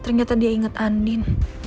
ternyata dia inget antin